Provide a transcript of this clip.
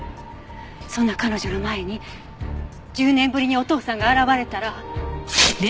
そんな彼女の前に１０年ぶりにお父さんが現れたら。